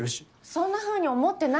そんなふうに思ってないよ。